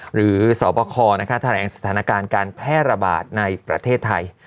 หรือสบคแถลงสถานการณ์การแพร่ระบาดในประเทศไทย